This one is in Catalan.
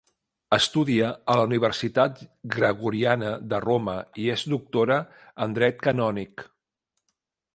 Estudia a la Universitat Gregoriana de Roma i es doctora en dret canònic.